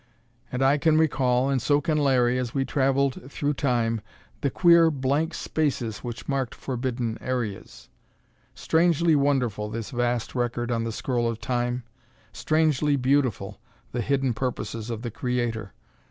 And I can recall, and so can Larry, as we traveled through Time, the queer blank spaces which marked forbidden areas. Strangely wonderful, this vast record on the scroll of Time! Strangely beautiful, the hidden purposes of the Creator!